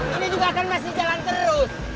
ini juga akan masih jalan terus